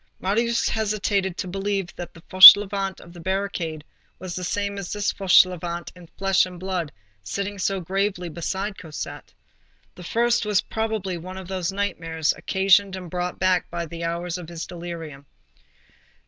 Marius hesitated to believe that the Fauchelevent of the barricade was the same as this Fauchelevent in flesh and blood, sitting so gravely beside Cosette. The first was, probably, one of those nightmares occasioned and brought back by his hours of delirium.